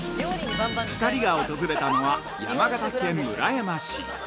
◆２人が訪れたのは山形県村山市。